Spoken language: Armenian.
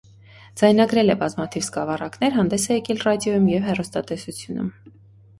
Ձայնագրել է բազմաթիվ սկավառաներ, հանդես է եկել ռադիոյում և հեռուստատեսությունում։